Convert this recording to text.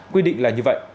quy định là như vậy